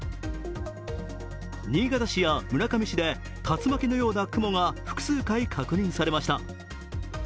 新潟市や村上市で竜巻のような雲が複数回確認されました。